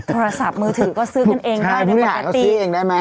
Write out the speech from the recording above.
โทรศัพท์มือถือก็ซื้อกันเองใช่ผู้บริหารเขาซื้อเองได้ไหม